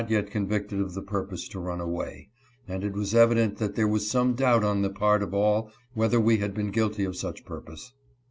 yet con victed of the purpose to run away, and it was evident that there was some doubt on the part of all whether we had been guilty of such purpose.